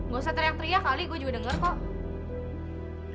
gak usah teriak teriak kali gue juga dengar kok